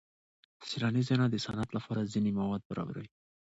سیلاني ځایونه د صنعت لپاره ځینې مواد برابروي.